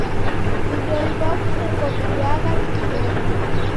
Vidoi va mfuko viduagha vikilolwa.